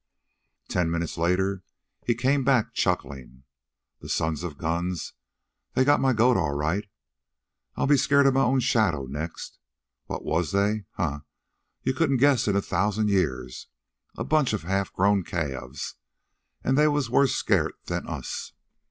Ten minutes later he came back chuckling. "The sons of guns, they got my goat all right. I'll be scairt of my own shadow next. What was they? Huh! You couldn't guess in a thousand years. A bunch of half grown calves, an' they was worse scairt than us."